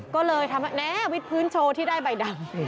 ก็เลยทำให้แน๊วิทพื้นโชว์ที่ได้ใบดำ